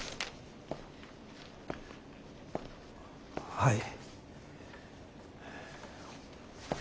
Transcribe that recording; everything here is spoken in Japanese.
はい。